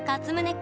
君